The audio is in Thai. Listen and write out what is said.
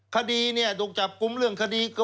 คดีเนี่ยถูกจับกลุ่มเรื่องคดี